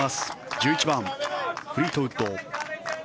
１１番、フリートウッド。